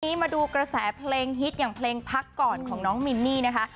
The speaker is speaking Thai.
ทีนี้มาดูกระแสเพลงฮิตอย่างเพลงพักก่อนของน้องมินนี่นะคะ